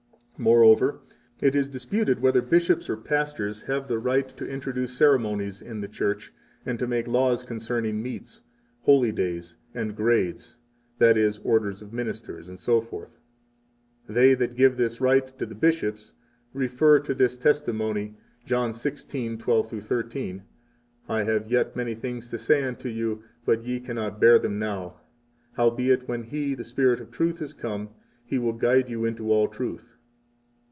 30 Moreover, it is disputed whether bishops or pastors have the right to introduce ceremonies in the Church, and to make laws concerning meats, holy days and grades, that is, orders of ministers, etc. 31 They that give this right to the bishops refer to this testimony John 16:12 13: I have yet many things to say unto you, but ye cannot bear them now. Howbeit when He, the Spirit of Truth, is come, He will guide you into all truth.